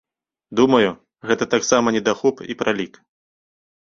Думаю, гэта таксама недахоп і пралік.